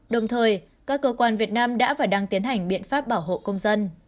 đồng thời các cơ quan việt nam đã và đang tiến hành biện pháp bảo hộ công dân